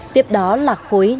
tiếp đó là khối